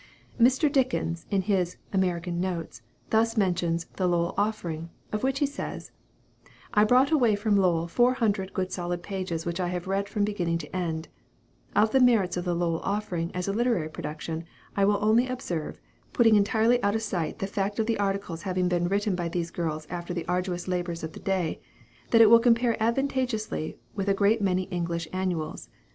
Mr. Dickens, in his "American Notes," thus mentions "The Lowell Offering," of which he says, "I brought away from Lowell four hundred good solid pages, which I have read from beginning to end:" "Of the merits of 'The Lowell Offering,' as a literary production, I will only observe, putting entirely out of sight the fact of the articles having been written by these girls after the arduous labors of the day, that it will compare advantageously with a great many English annuals.